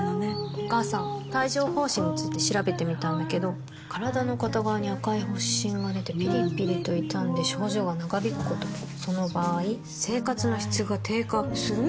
お母さん帯状疱疹について調べてみたんだけど身体の片側に赤い発疹がでてピリピリと痛んで症状が長引くこともその場合生活の質が低下する？